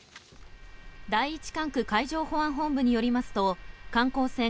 第一管区海上保安本部によりますと観光船